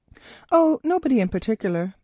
"Oh, nobody in particular. Mr.